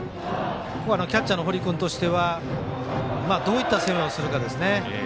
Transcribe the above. ここはキャッチャーの堀君としてはどういった攻めをするかですね。